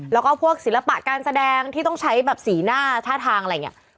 แล้วก็พวกศิลปะการแสดงที่ต้องใช้แบบสีหน้าท่าทางอะไรอย่างนี้